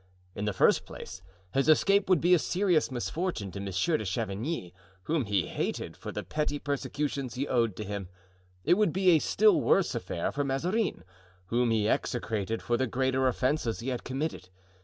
In the first place his escape would be a serious misfortune to Monsieur de Chavigny, whom he hated for the petty persecutions he owed to him. It would be a still worse affair for Mazarin, whom he execrated for the greater offences he had committed.